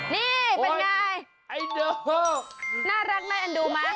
นี่เป็นยังไงน่ารักไหมอันดูมั้ย